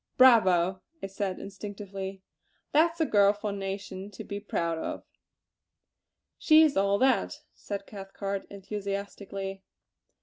"Bravo!" I said instinctively! "That's a girl for a nation to be proud of!" "She is all that!" said Cathcart enthusiastically.